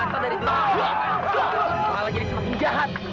bagaimana kabar kak tombak